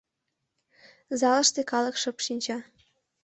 Залыште калык шып шинча.